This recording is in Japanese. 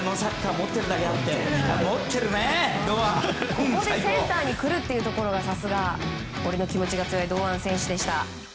ここでセンターに来るというところがさすが俺の気持ちが強い堂安選手でした。